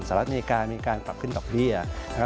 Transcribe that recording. สหรัฐอเมริกามีการกลับขึ้นกับเบียร์